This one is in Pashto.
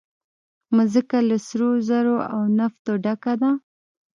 مځکه له سرو زرو او نفته ډکه ده.